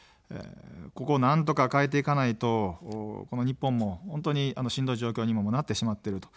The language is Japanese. ここをなんとか変えていかないと日本も本当にしんどい状況にもなってしまってる。